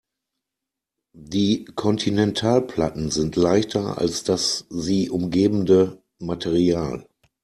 Die Kontinentalplatten sind leichter als das sie umgebende Material.